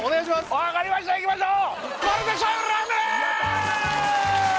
わかりましたいきましょう！